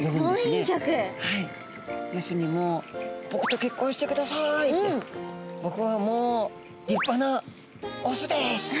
はい要するにもう「僕と結婚してください」って「僕はもう立派なオスです」。